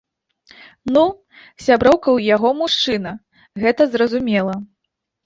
Ну, сяброўка ў яго мужчына, гэта зразумела.